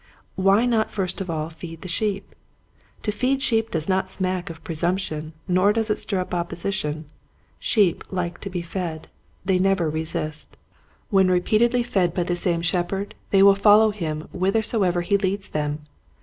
Why not first of all feed the sheep .? To feed sheep does not smack of presumption nor does it stir up opposition. Sheep like to be fed. They never resist. When re Starts Good and Bad. 37 peatedly fed by the same shepherd they will follow him whithersoever he leads them.